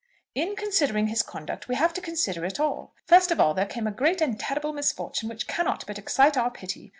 "In considering his conduct, we have to consider it all. First of all there came a great and terrible misfortune which cannot but excite our pity.